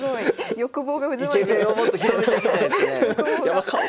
欲望が渦巻いてる。